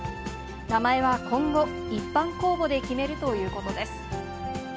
名前は今後、一般公募で決めるということです。